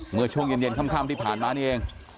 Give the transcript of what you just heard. เมื่อช่วงเย็นค่ำที่ผ่านมานี่เอง